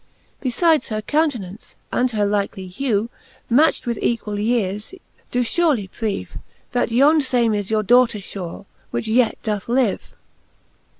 Befides her countenaunce, and her likely hew, Matched with equall yeares, do furely prieve, That yond fame is your daughter fure, which yet doth live.